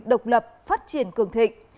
độc lập phát triển cường thịnh